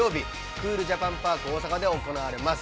クールジャパンパーク大阪で行われます。